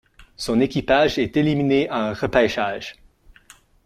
Son équipage est éliminé en repêchage.